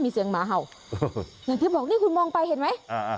มีเสียงหมาเห่าอย่างที่บอกนี่คุณมองไปเห็นไหมอ่า